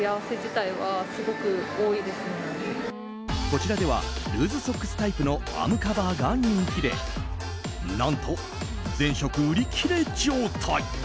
こちらではルーズソックスタイプのアームカバーが人気で何と全色売り切れ状態。